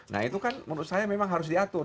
nah itu kan menurut saya memang harus diatur